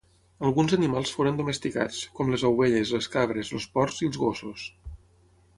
Alguns animals foren domesticats, com les ovelles, les cabres, els porcs i els gossos.